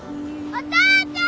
お父ちゃん！